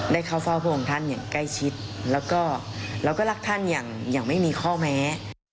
ได้เข้าเฝ้าพระองค์ท่านอย่างใกล้ชิดแล้วก็เราก็รักท่านอย่างไม่มีข้อแม้